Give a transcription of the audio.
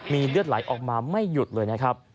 มีเลือดไหลออกมาไม่หยุดเลยนะครับ